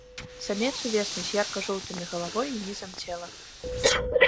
Самец увесну з ярка-жоўтымі галавой і нізам цела.